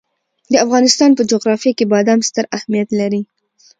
د افغانستان په جغرافیه کې بادام ستر اهمیت لري.